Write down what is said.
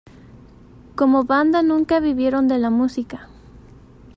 Como banda nunca vivieron de la música.